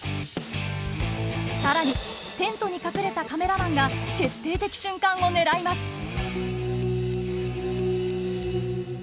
さらにテントに隠れたカメラマンが決定的瞬間を狙います。